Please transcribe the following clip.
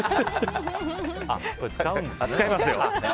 あ、使うんですね。